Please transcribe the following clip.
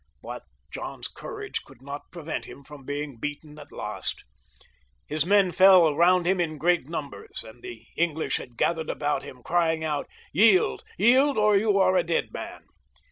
But John's courage could not prevent him &om being beaten at last ; his men fell round him in great numbers, and the English had gathered about him, crying out, " Yield, yield, or you are a dead man."